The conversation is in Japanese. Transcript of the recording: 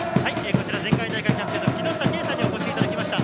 前回大会キャプテンの木下慶さんにお越しいただきました。